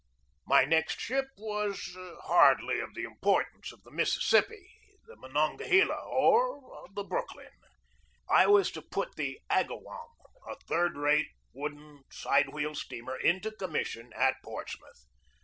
My next ship was hardly of the importance of the Mississippi, the Monongahela, or the Brooklyn. I was to put the Agawam, a third rate, wooden, side wheel steamer, into commission at Portsmouth.